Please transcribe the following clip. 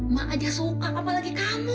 mak aja suka apalagi kamu